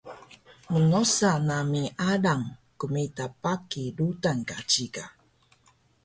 Mnosa nami alang qmita baki rudan ka ciga